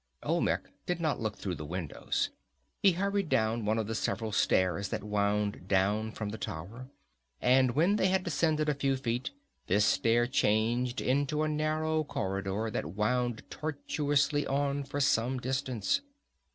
Olmec did not look through the windows. He hurried down one of the several stairs that wound down from the tower, and when they had descended a few feet, this stair changed into a narrow corridor that wound tortuously on for some distance.